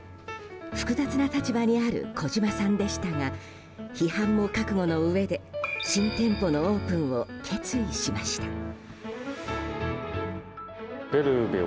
複雑な立場にある小嶋さんでしたが批判も覚悟のうえで新店舗のオープンを決意しました。